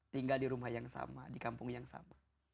tinggal di rumah yang sama di kampung yang sama